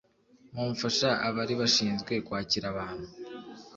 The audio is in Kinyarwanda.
mumfasha Abari bashinzwe kwakira abantu